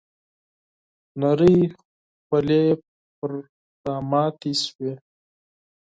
نرۍ خولې پر راماتې شوې .